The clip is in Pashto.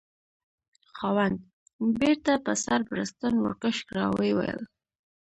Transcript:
خاوند: بیرته په سر بړستن ورکش کړه، ویې ویل: